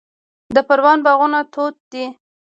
د پروان باغونه توت دي